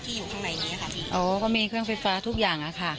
อยู่ข้างในนี้ค่ะพี่อ๋อก็มีเครื่องไฟฟ้าทุกอย่างอะค่ะ